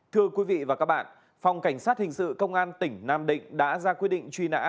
thưa quý vị và các bạn phòng cảnh sát hình sự công an tỉnh nam định đã ra quyết định truy nã